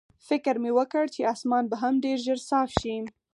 فکر مې وکړ چې اسمان به هم ډېر ژر صاف شي.